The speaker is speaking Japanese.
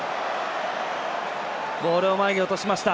ボールを前に落としました。